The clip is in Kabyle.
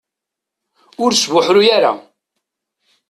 Ur sbuḥruy ara.